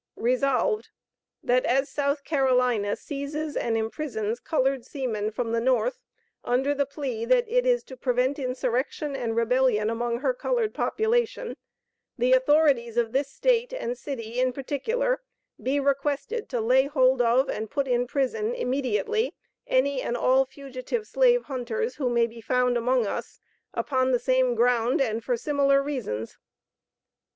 Resolved, That as South Carolina seizes and imprisons colored seamen from the North, under the plea that it is to prevent insurrection and rebellion among her colored population, the authorities of this State, and city in particular, be requested to lay hold of, and put in prison, immediately, any and all fugitive slave hunters who may be found among us, upon the same ground, and for similar reasons.